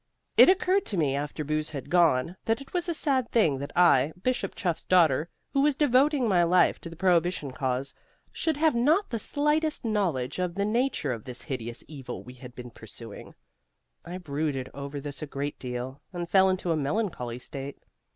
"It occurred to me, after booze had gone, that it was a sad thing that I, Bishop Chuff's daughter, who was devoting my life to the prohibition cause, should have not the slightest knowledge of the nature of this hideous evil we had been pursuing. I brooded over this a great deal, and fell into a melancholy state.